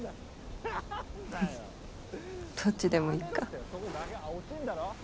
フフッどっちでもいっか。